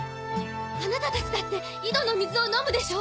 あなたたちだって井戸の水を飲むでしょ？